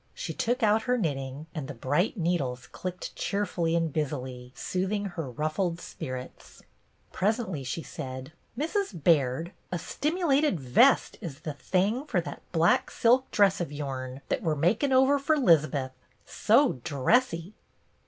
She took out her knitting, and the bright needles clicked cheerfully and busily, sooth ing her ruffled spirits. Presently she said, —" Mrs. Baird, a stimulated vest is the thing fer that black silk dress of yourn that we're makin' over fer 'Lizbeth. So dressy